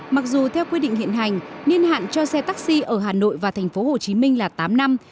mặc dù theo quy định hiện hành nên hạn cho xe taxi ở hà nội và tp hcm là tám năm